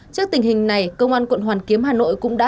trước tình hình này công an quận hoàn kiếm hà nội cũng đã